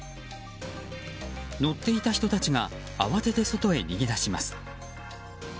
乗っていた人たちが慌てて外へ逃げ出します。